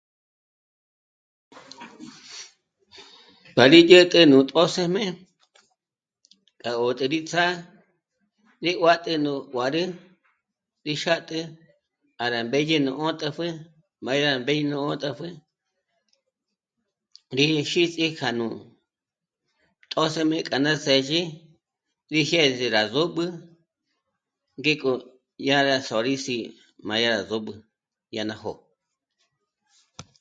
Pa rí dyä̀t'ä nú tjösëjme k'a gó ndé rí ts'á'a rénguat'ü rú juârü rí xâtü para mbédyè nú 'ö̀tàpjü m'a dyà mbé'í nó 'ö̀tàpjü rí jízhi já nú tjö́sëjme k'a ná së̌zhi rí jiês'e rá só'b'ü ngéko dyà rá sò'o rí sì'i m'a dyà só'b'ü dyà ná jó'o